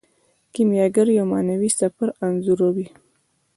کیمیاګر یو معنوي سفر انځوروي.